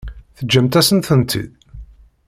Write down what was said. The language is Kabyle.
Teǧǧamt-asent-tent-id?